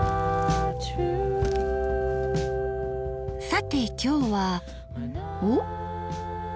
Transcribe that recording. さて今日はおっ！